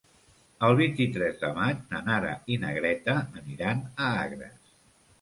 El vint-i-tres de maig na Nara i na Greta aniran a Agres.